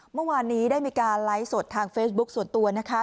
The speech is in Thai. เมื่อวานนี้ได้มีการไลฟ์สดทางเฟซบุ๊คส่วนตัวนะคะ